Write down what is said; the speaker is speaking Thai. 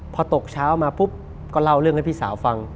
พอตกเช้ามาปุ๊บก็เล่าเรื่องให้พี่สาวฟัง